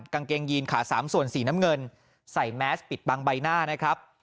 กางเกงยีนขาสามส่วนสีน้ำเงินใส่แมสปิดบังใบหน้านะครับ